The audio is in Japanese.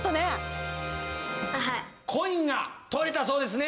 コインが取れたそうですね？